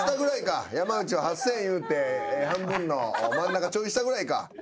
山内は８，０００円言うて半分の真ん中ちょい下ぐらいか。